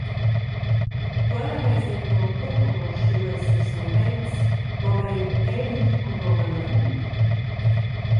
Quel havess denton buca mo stuiu esser solvents, mobein era vegnir cun nova lavur.